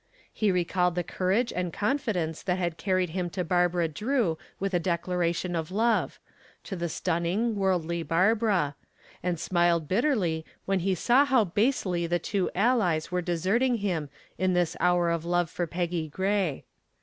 He recalled the courage and confidence that had carried him to Barbara Drew with a declaration of love to the stunning, worldly Barbara and smiled bitterly when he saw how basely the two allies were deserting him in this hour of love for Peggy Gray.